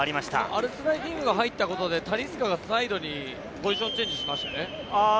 アルスライヒームが入ったことでタリスカがサイドにポジションをチェンジしましたよね。